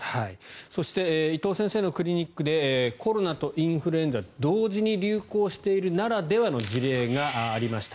そして伊藤先生のクリニックでコロナとインフルエンザ同時に流行しているならではの事例がありました。